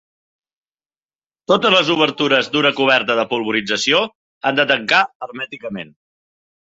Totes les obertures d'una coberta de polvorització han de tancar hermèticament.